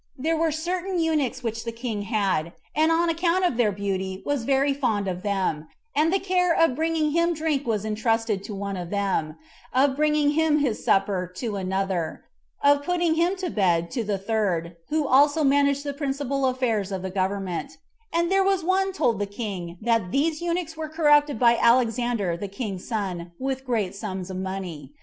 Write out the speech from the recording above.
There were certain eunuchs which the king had, and on account of their beauty was very fond of them; and the care of bringing him drink was intrusted to one of them; of bringing him his supper, to another; and of putting him to bed, to the third, who also managed the principal affairs of the government; and there was one told the king that these eunuchs were corrupted by Alexander the king's son with great sums of money.